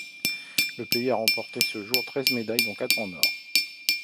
Le pays a remporté à ce jour treize médailles, dont quatre en or.